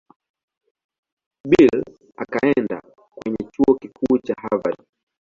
Bill akaenda kwenye Chuo Kikuu cha Harvard.